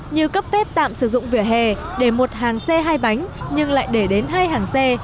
như cấp phép tạm sử dụng vỉa hè để một hàng xe hai bánh nhưng lại để đến hai hàng xe